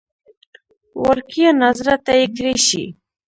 وړکیه ناظره ته یې کړی شې.